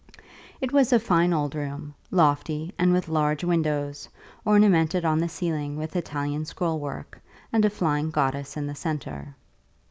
It was a fine old room, lofty, and with large windows, ornamented on the ceiling with Italian scrollwork, and a flying goddess in the centre.